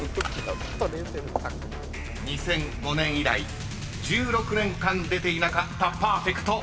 ［２００５年以来１６年間出ていなかったパーフェクト］